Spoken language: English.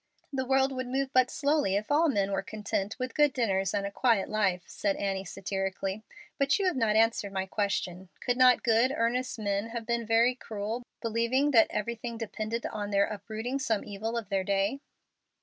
"The world would move but slowly, if all men were content with 'good dinners and a quiet life,'" said Annie, satirically. "But you have not answered my question. Could not good, earnest men have been very cruel, believing that everything depended on their uprooting some evil of their day?"